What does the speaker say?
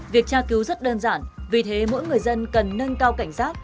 việc tra cứu rất đơn giản vì thế mỗi người dân cần nâng cao cảnh giác